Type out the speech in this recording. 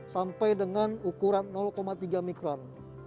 sampai dengan ukuran tiga mikron